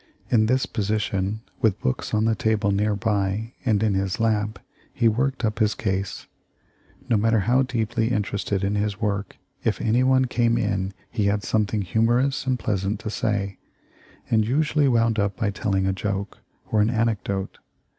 In this position, with books on the table near by and in his lap, he worked up his case. No matter how deeply interested in his work, if any one came in he had something humorous and pleasant to say, and usually wound up by telling a joke or an anecdote.